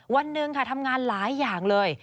วันหนึ่งค่ะทำงานหลายอย่างเลย